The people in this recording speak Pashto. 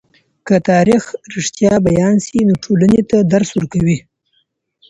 که تاریخ رښتیا بيان سي، نو ټولني ته درس ورکوي.